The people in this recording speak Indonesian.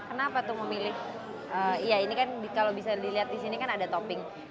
kenapa tuh memilih iya ini kan kalau bisa dilihat di sini kan ada topping